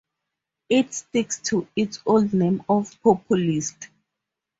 It sticks to its old name of populists.